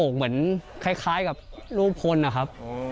คล้ายกับรูปคนนะครับ